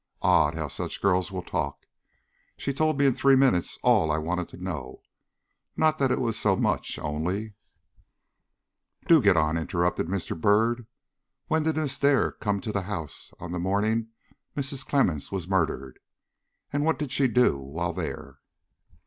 Odd how such girls will talk! She told me in three minutes all I wanted to know. Not that it was so much, only " "Do get on," interrupted Mr. Byrd. "When did Miss Dare come to the house on the morning Mrs. Clemmens was murdered, and what did she do while there?"